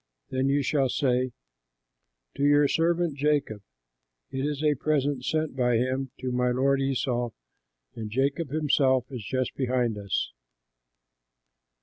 then you shall say, 'To your servant Jacob; it is a present sent by him to my lord Esau; and Jacob himself is just behind us.'"